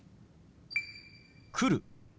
「来る」。